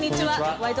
「ワイド！